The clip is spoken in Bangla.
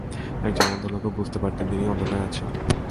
একজন অন্ধ লোকও বুঝতে পারতো তুমি অন্ধকারে আছো।